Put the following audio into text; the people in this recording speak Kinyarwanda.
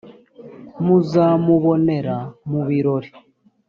muzamubonera mubirori.